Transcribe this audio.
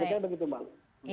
saya kira begitu bang